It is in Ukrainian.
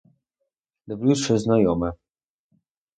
Дивлюсь — щось знайоме.